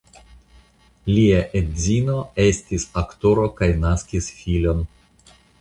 Lia edzino estis aktoro kaj naskis filon.